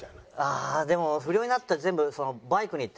ああでも不良になったら全部バイクにいってましたね。